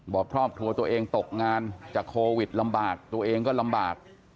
บอกครอบครัวตัวเองตกงานจากโควิดลำบากตัวเองก็ลำบาก